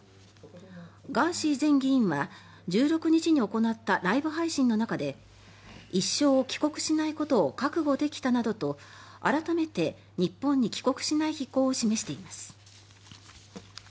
ガーシー前議員は１６日に行ったライブ配信の中で一生帰国しないことを覚悟できたなどと改めて日本に帰国しない意向を示しています。